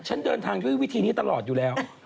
ฉันเดินทางด้วยวิธีนี้ตลอดอยู่แล้ว